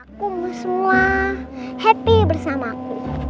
aku semua happy bersamaku